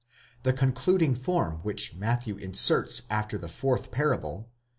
The concluding form which Matthew inserts after the fourth parable (v.